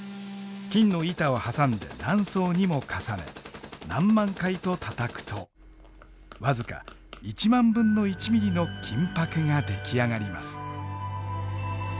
金の板を挟んで何層にも重ね何万回とたたくと僅か１万分の１ミリの金箔が出来上がります。